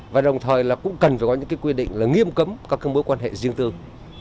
và đồng thời là cũng cần phải có những cái quy định là nghiêm cấm các mối quan hệ riêng tư